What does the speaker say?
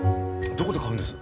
どこで買うんです？